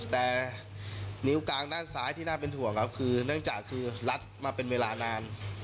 แต่นิ้วกลางด้านซ้ายที่น่าเป็นห่วงครับคือเนื่องจากคือรัดมาเป็นเวลานาน